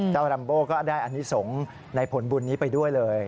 รัมโบ้ก็ได้อนิสงฆ์ในผลบุญนี้ไปด้วยเลย